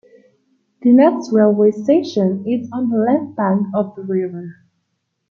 Dinant's railway station is on the left bank of the river.